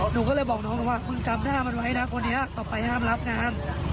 หนูก็เลยบอกน้องเขาว่าคุณจำหน้ามันไว้นะคนนี้ต่อไปห้ามรับงาน